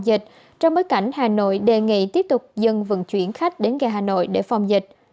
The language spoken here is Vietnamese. dịch trong bối cảnh hà nội đề nghị tiếp tục dân vận chuyển khách đến ga hà nội để phòng dịch